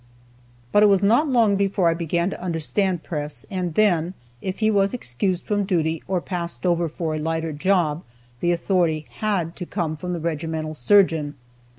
But it was not long before I began to understand Press, and then, if he was excused from duty, or passed over for a lighter job, the authority had to come from the regimental surgeon.